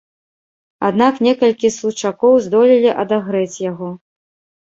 Аднак некалькі случакоў здолелі адагрэць яго.